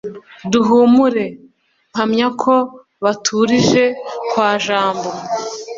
duhumure! mpamya ko baturije kwa jambo